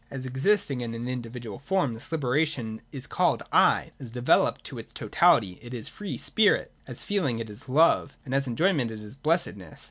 As existing in an in dividual form, this liberation is called I : as developed to its totality, it is free Spirit ; as feeling, it is Love ; and as enjojrment, it is Blessedness.